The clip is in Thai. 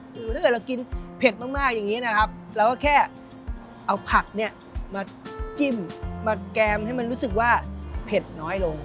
คือถ้าเกิดเรากินเผ็ดมากอย่างนี้นะครับเราก็แค่เอาผักเนี่ยมาจิ้มมาแกมให้มันรู้สึกว่าเผ็ดน้อยลง